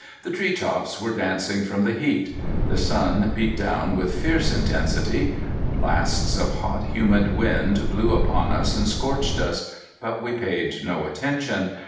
The treetops were dancing from the heat. The sun beat down with fierce intensity. Blasts of hot, humid wind blew upon us and scorched us, but we paid no attention.